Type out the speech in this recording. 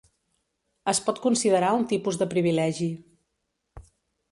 Es pot considerar un tipus de privilegi.